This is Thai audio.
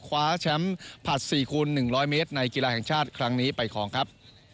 คว้าแชมป์ผัด๔คูณ๑๐๐เมตรในกีฬาแห่งชาติครั้งนี้ไปคลองครับ